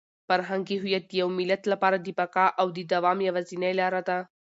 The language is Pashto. فرهنګي هویت د یو ملت لپاره د بقا او د دوام یوازینۍ لاره ده.